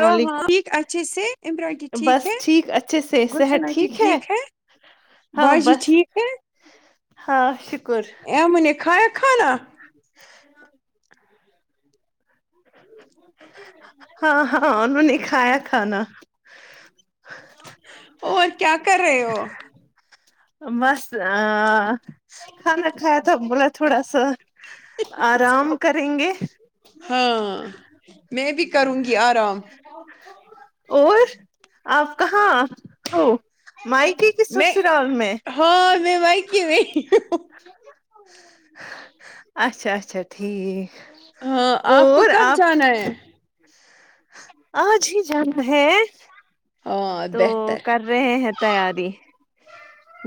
ہ ہاں علیکم ٹھیک اچھے سے امراٹی ٹھیک بس ہے اچھے سے گلشن صحت انٹی ٹھیک ہے ہاں باجی بس ٹھیک ہیں ہاں شکر ایون نے کھایا کھانا [unintelligible] ہاں ہاں انھو ں نے کھایا کھانا اور کیا کر رہے ہو بس ا کھانا کھا یا تھا بولا تھوڑا سا آرام کریں گے ہاں میں بھی کروں گی آرام اور آپ کہاں ہو مائکے کی میں سسرال مے ہاں میں مائکے میں ہی ہوں۔ ہ اچھا اچھا ٹھیک ہاں آپ کو اور کب آپ جانا ہے آج ہی جانا ہے ہاں تو بہتر کر رہے ہیں تیاری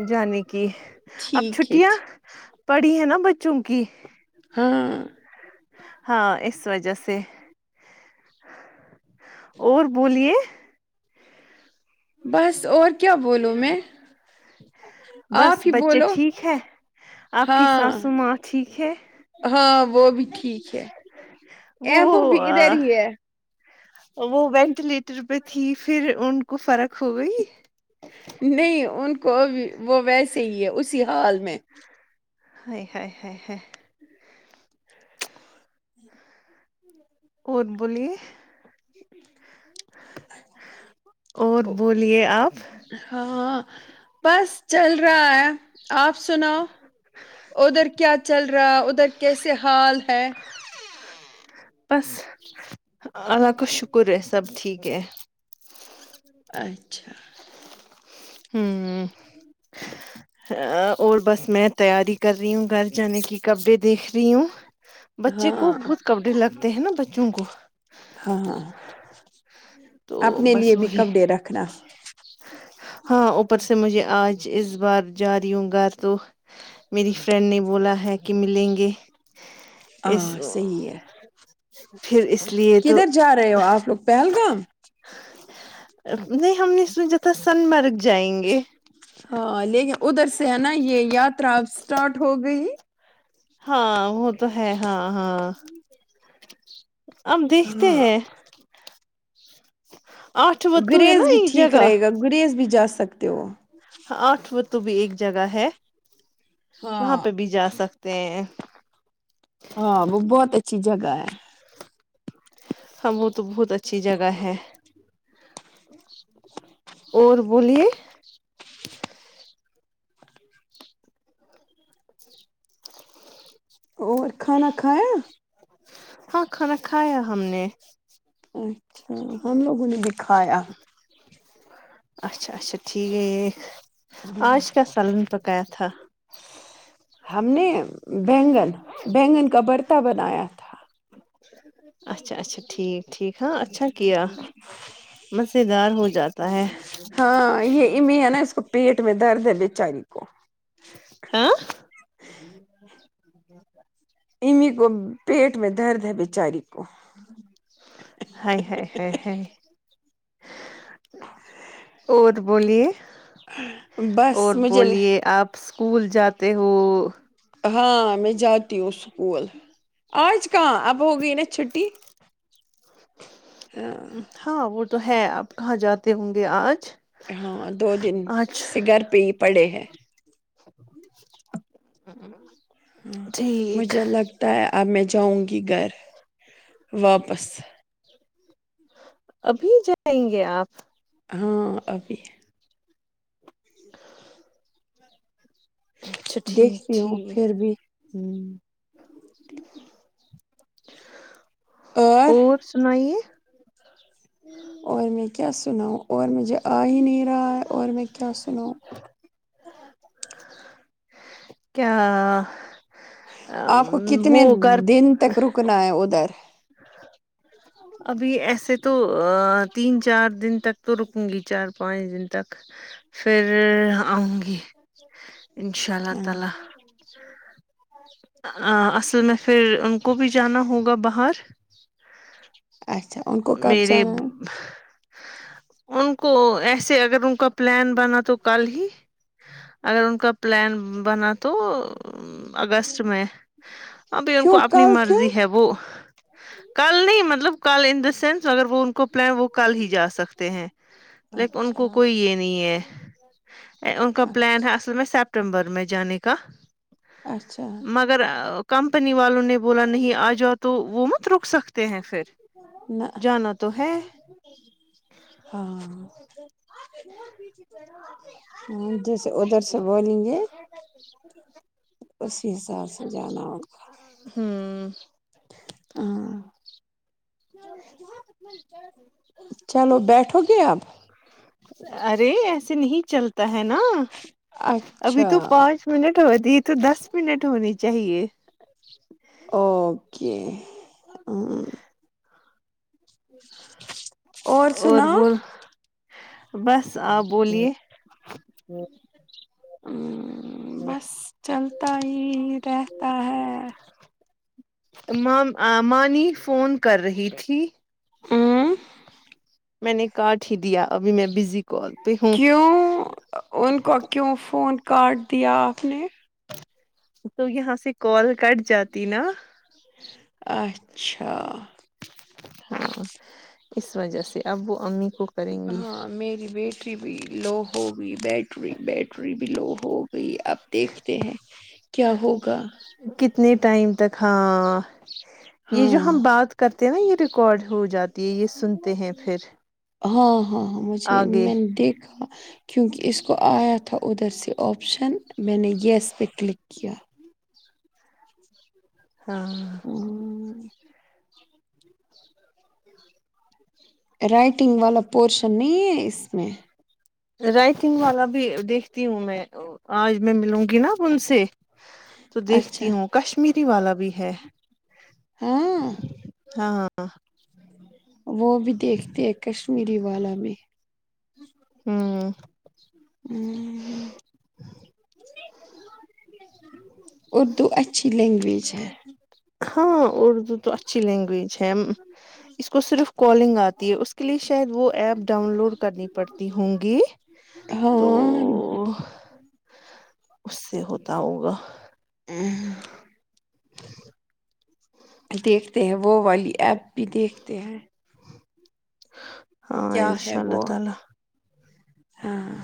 جانے کی اب ٹھیک ہے چھٹیاں ٹھیک پڑی ہیں نا بچوں کی ہاں ہاں اس وجہ سے اور بولیے بس اور کیا بولوں میں بس آپ ہی بچے بولو ٹھیک ہے آپ کی ہاں ساس ماں ٹھیک ہے ہاں وہ بھی ٹھیک ہے ا وہ بھی ادھر ہی ہے وہ وینٹیلیٹر پہ تھی پھر ان کو فرق ہو گئی نہیں ان کو وہ ویسے ہی ہے اسی حال میں ہےہے ہے اور بولئ اور بولیے آپ ہاں بس چل رہا ہے آپ سناؤ ادھر کیا چل رہا ادھر کیسے حال ہے بس اللہ کا شکر ہے سب ٹھیک ہے اچھا ہوں اور اور بس میں تیاری کر رہی ہوں گھر جانے کی کپڑے دیکھ رہی ہوں بچے کو ہاں بہت کبڈی لگتے ہیں نا بچوں کو ہاںاں تو اپنے لیے بس بھی وہی کپڑے رکھنا ہاں اوپر سے مجھے آج اس بار جا رہی ہوں گھر تو میری فرینڈ نے بولا ہے کہ ملیں گے اس آ صحی ہے پھر اس لیے تو کدھر جا رہے ہو آپ لوگ پہلگام نہیں ہم نے میں جت سنمرگ جائیں گے ہاں لیکن ادھر سے ہے نا یہ یاترا اب اسٹارٹ ہو گئی ہاں وہ تو ہے ہاں ہاں اب دیکھتے ہاں ہیں آٹھ وتو ہے نا گریز بھی ایک ٹھیک جگہ رہے گا گریز بھی جا سکتے ہو ہاں آٹھ وہ تو بھی ایک جگہ ہے وہاں ہاں پہ بھی جا سکتے ہیں ہاں وہ بہت اچھی جگہ ہے ہم وہ تو بہت اچھی جگہ ہے اور بولیے اور کھانا کھایا ہاں کھانا کھایا ہم نے اچھا ہم لوگوں نے کھایا اچھا اچھا ٹھیک ہے یہ آج کیا سالن پکایا تھا ہم نے بینگن بینگن کا برتا بنایا تھا اچھا اچھا ٹھیک ٹھیک ہاں اچھا کیا مز دار ہو جاتا ہے ہاں یہ امیمی ہے نا اس کو پیٹ میں درد ہے بیچاری کو ہاں امیمی کو پیٹ میں درد ہے بیچاری کو ہاے ہاے ہاے ہاے اور بولیے بس اور مجھے بولیے آپ اسکول جاتے ہو ہاں میں جاتی ہوں اسکول آج کہاں اب ہو گئی نا چھٹی [unintelligible] ہاں وہ تو ہے اب کہاں جاتے ہوں گے آج ہاں دو دن آج سے گھر پہ ہی پڑے ہیں ہاں ٹھیک مجھے لگتا ہے اب میں جاؤں گی گھر واپس ابھی جائیں گے آپ ہاں ابھی اچھا ٹھیک دیکھتی ہوں ٹھیک پھر بھی ہمم اور سنائیے اور میں کیا سناؤں اور مجھے آ ہی نہیں رہا ہے اور میں کیا سناؤں کیاآ آپ کو امم کتنے وہ گھر دن تک رک رکنا ہے ادھر ابھی ایسے تو تین چار دن تک تو رکوں گی چار پانچ دن تک پھر آؤں گی انشاء اللہ ہاں تعالی اصل میں پھر ان کو بھی جانا ہوگا باہر اچھا ان کو کب میرے جانا ہے ان کو ایسے اگر ان کا پلان بنا تو کل ہی اگر ان کا پلان بنا تو ام اگست میں ابھی ان کو کیوں اپنی کل کیوں مرضی ہے وہ کل نہیں مطلب کل ان دا سینس اگر وہ ان کو پلان وہ کل ہی جا سکتے ہیں لیکن ان کو اچھا کوئی یہ نہیں ہے ای ان کا پلان ہے اصل میں سپٹمبر میں جانے کا اچھا اگر ا کمپنی والوں نے بولا نہیں آ جاؤ تو وہ مت رک سکتے ہیں پھر نہ جانا تو ہے ہاں ہوں جیسے ادھر سے بولیں گے اسی حساب سے جانا ہوا ہوں ہاں [unintelligible] چلو بیٹھو گے اب ارے ایسے نہیں چلتا ہے نا ابھی اچھا تو پانچ منٹ ہوتی یہ تو دس منٹ ہونی چاہیے اووو کے امم اور بول بس آپ بولیے اممم بس چلتا ہی رہتا ہے مام آں مانی فون کر رہی تھی امم میں نے کاٹ ہی دیا ابھی میں بز کیوں ان کو کیوں فون کاٹ دیا آپ نے تو یہاں سے کال کٹ جاتی نا اچھا ہاں اس وجہ سے ابو امی کو کریں گی ہاں میری بیٹری بھی لو ہوگی بیٹری بیٹری بھی لو ہوگ گئی تو اب دیکھتے ہیں کیا ہوگا کتنے ٹائم تک ہاں یہ جو ہاں ہم بات کرتے ہیں نا یہ ریکارڈ ہو جاتا ہاں ہاں ہاں مجھے آگے میں نے دیکھا کیونکہ اس کو آیا تھا ادھر سے آپشن میں نے یس پہ کلک کیا ہاں ہمم رائٹنگ والا پورشن نہیں ہے اس میں رائٹنگ والا بھی دیکھتی ہوں میں آج میں میلوں گی نا ان سے تو اچھا دیکھتی ہوں کشمیری والا بھی ہے ہاں ہاں وہ بھی دیکھتے ہے کشمیری والا بھی ہومم ہم اردو اچھی لینگویج ہے ہاں اردو تو اچھی لینگویج ہے اس کو صرف کالنگ آتی ہے اس کے لیے شاید وہ ایپ ڈاؤن لوڈ کرنی پڑتی ہوں گی تو ہاں اس سے ہوتا ہوگا اہم دیکھتے ہیں وہ والی ایپ بھی دیکھتے ہیں ہاں کیا ہے انشاء اللہ وہ تعالی ہاں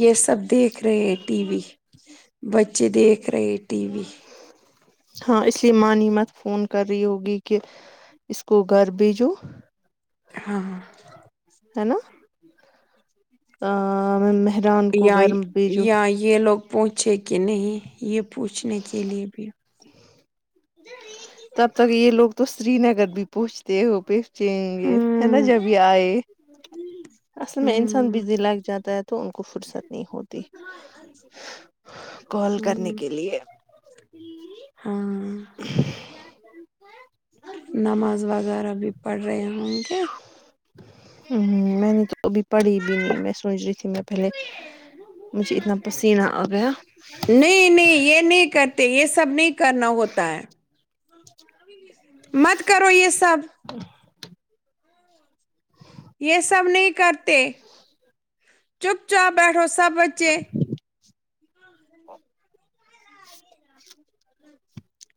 یہ سب دیکھ رہے ہیں ٹی وی بچے دیکھ رہے ٹی وی ہاں اس لیے ماں مت فون کر رہی ہوگی کہ اس کو گھر بھی جوو ہاں ہاں ہے نا مہران کو یائی گھر بھیجو یائی یہ لوگ پوچھے کہ نہیں یہ پوچھنے کے لیے بھی تب تک یہ لوگ تو سری نگر بھی پہنچتے ہو پہنچیں گے ہے نا ہوں جبھی آئے اصل میں انسان ہوں بزی لگ جاتا ہے تو ان کو فرصت نہیں ہوتی کال کرنے ہوں کے لیے ہاں نماز وغیرہ بھی پڑھ رہے ہوں گے ہم میں نے تو ابھی پڑھی بھی نہیں میں سوچ رہی تھی میں پہلے مجھے اتنا پسینہ آ گیا نہیں نہیں یہ نہیں کرتے یہ سب نہیں کرنا ہوتا ہے مت کرو یہ سب یہ سب نہیں کرتے چپ چاپ بیٹھو سب بچے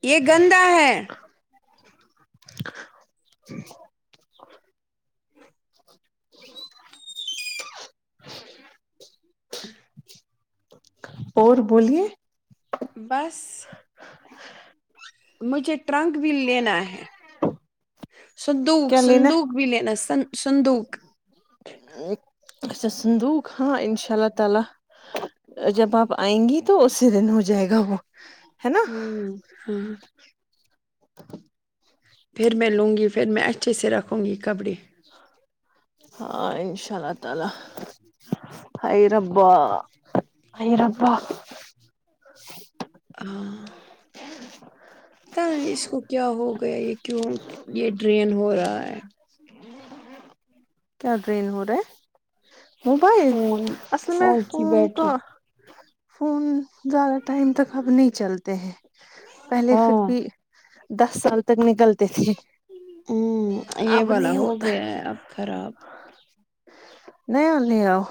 یہ گندا ہے اور بولیے بس مجھے ٹرنک بھی لینا ہے سندوک کیا لینا سندوک و لینا سن-سندوک اچھا سندوق ہاں انشاء اللہ تعالی جب آپ آئیں گی تو اسی دن ہو جائے گا وہ ہے نا ہوں ہاں پھر میں لوں گی پھر میں اچھے سے رکھوں گی کپڑے ہاں انشاء اللہ تعالی ہاے ربا ہاے ربا ہاں پتا اس کو کیا ہو گیا یہ کیوں یہ ڈرین ہو رہا ہے جی کیا ڈرین ہو رہا موبائل فون اصل میں کی فون تو بیٹری فون زیادہ ٹائم تک اب نہیں چلتے ہیں پہلے فر ہاں بھی دس سال تک نکلتے تھے ہ یہ اب والا نہیں ہو ہوتا گیا ہے اب خراب نیا لے آؤ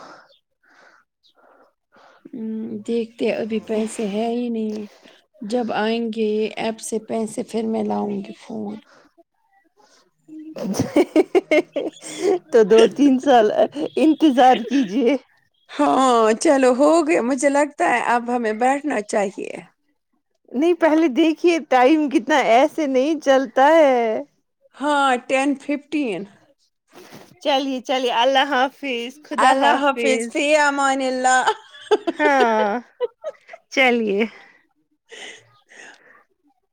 ہ دیکھتے ابھی پیسے ہے ہی نہیں جب آئیں گے ایپ سے پیسے پھر میں لاؤں گی فون کچ تو دو تین سال انتظار کیجے ہاں چلو ہو گیا مجھے لگتا ہے اب ہمیں بیٹھنا چاہیے نہیں پہلے دیکھیے ٹائم کتنا ایسے نہیں چلتا ہے ہاں ٹن ففٹین چلیے چلیے اللہ حافظ خدا حافظ المان اللہ ہاں چلیے ہ ہ